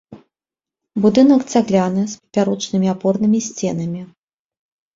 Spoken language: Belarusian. Будынак цагляны, з папярочнымі апорнымі сценамі.